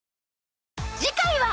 次回は